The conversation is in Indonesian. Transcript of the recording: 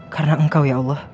karena engkau ya allah